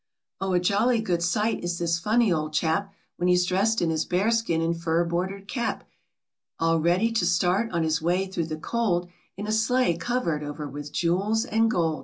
Oh, a jolly good sight is this funny old chap When he's dressed in his bear skin and fur bordered cap, X All ready to start on his way through the cold, \ In a sleigh covered over with jewels and gold.